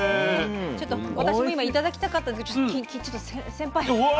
ちょっと私も今頂きたかったんですけどちょっと先輩先輩！